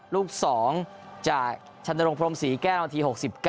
ลูก๒จากชนรงพรมศรีแก้วนาที๖๙